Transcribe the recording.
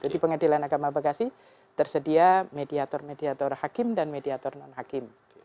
di pengadilan agama bekasi tersedia mediator mediator hakim dan mediator non hakim